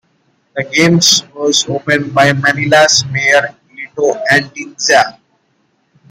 The games was opened by Manila's Mayor, Lito Atienza.